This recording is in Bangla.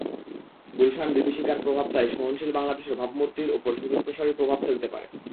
গুলশান বিভীষিকার প্রভাব তাই সহনশীল বাংলাদেশের ভাবমূর্তির ওপর সুদূরপ্রসারী প্রভাব ফেলতে পারে।